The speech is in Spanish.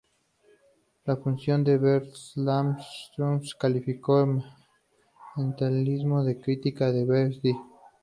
La fundación Bertelsmann Stiftung calificó de "malentendido" las críticas de ver.di.